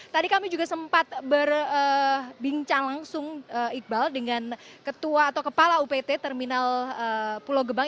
tadi kami juga sempat berbincang langsung iqbal dengan ketua atau kepala upt terminal pulau gebang